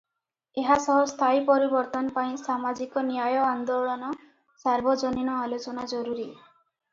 ଏହା ସହ ସ୍ଥାୟୀ ପରିବର୍ତ୍ତନ ପାଇଁ ସାମାଜିକ ନ୍ୟାୟ ଆନ୍ଦୋଳନ, ସାର୍ବଜନୀନ ଆଲୋଚନା ଜରୁରୀ ।